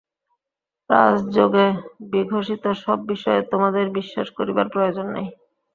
রাজযোগে বিঘোষিত সব বিষয়ে তোমাদের বিশ্বাস করিবার প্রয়োজন নাই।